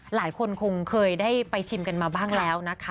หลายคนคงเคยได้ไปชิมกันมาบ้างแล้วนะคะ